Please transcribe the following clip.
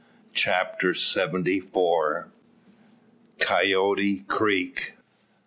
CHAPTER SEVENTY FOUR. COYOTE CREEK.